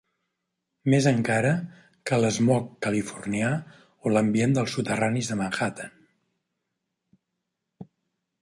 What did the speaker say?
Més encara que l'smog californià o l'ambient dels soterranis de Manhattan.